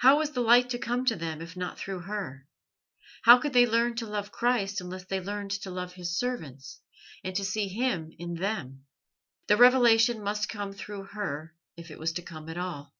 How was the light to come to them if not through her? How could they learn to love Christ unless they learned to love His servants and to see Him in them? The revelation must come through her, if it was to come at all.